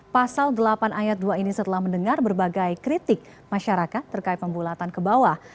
pasal delapan ayat dua ini setelah mendengar berbagai kritik masyarakat terkait pembulatan ke bawah